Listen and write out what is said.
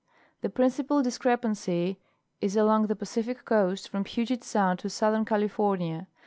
The principal discrepancy is along the Pacific coast from Puget sound to southern California.